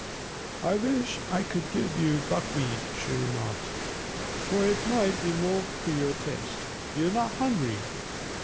"I wish I could give you buckwheat," she remarked, "for it might be more to your taste. You're not hungry?